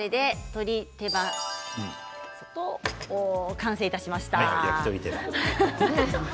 完成いたしました。